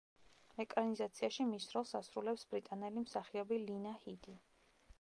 ეკრანიზაციაში მის როლს ასრულებს ბრიტანელი მსახიობი ლინა ჰიდი.